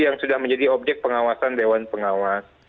yang sudah menjadi objek pengawasan dewan pengawas